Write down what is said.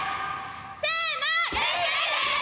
せの！